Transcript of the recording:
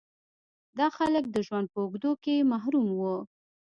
دا خلک د ژوند په اوږدو کې محروم وو.